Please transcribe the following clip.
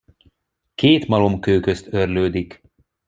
Két malomkő közt őrlődik.